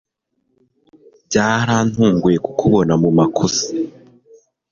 byarantunguye kukubona mumakosa